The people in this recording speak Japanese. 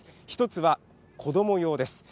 １つは子ども用です。